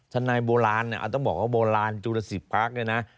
ฐานายโบราณเนี่ยอาจต้องบอกว่าโบราณจุดสิบพรรคเนี่ยนะ